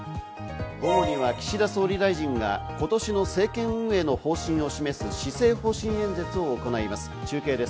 午後には岸田総理大臣が今年の政権運営の方針を示す施政方針演説を行います。